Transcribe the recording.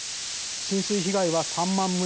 浸水被害は３万棟。